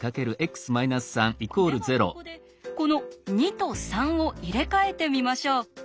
ではここでこの２と３を入れ替えてみましょう。